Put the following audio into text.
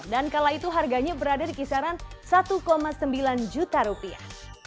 dan kala itu harganya berada di kisaran satu sembilan juta rupiah